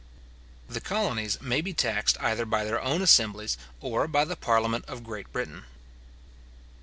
The colonies may be taxed either by their own assemblies, or by the parliament of Great Britain.